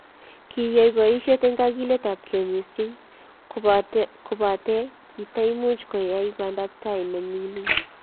Kiyai boisyet eng kagiletabgei missing, kobate kitaimuch koyai bandaptai ne mining.